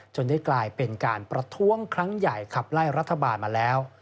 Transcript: ได้กลายเป็นการประท้วงครั้งใหญ่ขับไล่รัฐบาลมาแล้ว